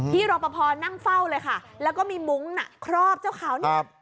รอปภนั่งเฝ้าเลยค่ะแล้วก็มีมุ้งน่ะครอบเจ้าเขาเนี่ย